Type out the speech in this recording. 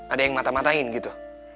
ada yang mata matain gitu